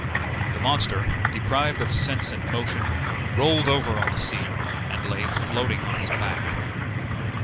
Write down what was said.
The monster, deprived of sense and motion, rolled over on the sea, and lay floating on his back.